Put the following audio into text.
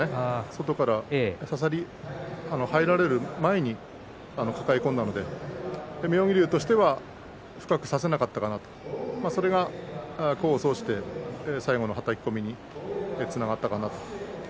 外から入られる前に抱え込んだので妙義龍としては深く差せなかったのでそれが功を奏して最後のはたき込みにつながったかなと思います。